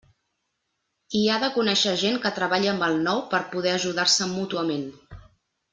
I ha de conèixer gent que treballi amb el nou per poder ajudar-se mútuament.